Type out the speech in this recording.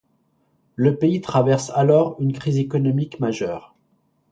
Le pays traverse alors une crise économique majeure.